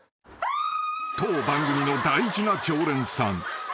［当番組の大事な常連さん］